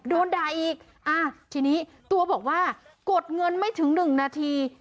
โดนด่าอีกทีนี้ตัวบอกว่ากดเงินไม่ถึงหนึ่งนาที